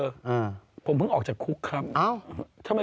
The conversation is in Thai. โอ้โหเธอเป็นคนอุบาทไง